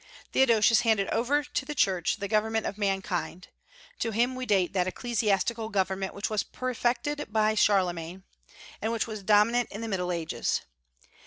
Theodosius handed over to the Church the government of mankind. To him we date that ecclesiastical government which was perfected by Charlemagne, and which was dominant in the Middle Ages.